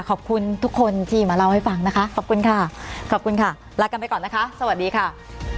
ขอบคุณทุกคนที่มาเล่าให้ฟังนะคะขอบคุณค่ะขอบคุณค่ะลากันไปก่อนนะคะสวัสดีค่ะ